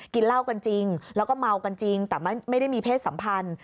เหล้ากันจริงแล้วก็เมากันจริงแต่ไม่ได้มีเพศสัมพันธ์